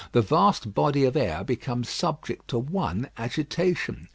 The vast body of air becomes subject to one agitation.